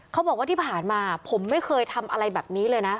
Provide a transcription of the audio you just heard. เขาบอกว่าที่ผ่านมาผมไม่เคยทำอะไรแบบนี้เลยนะ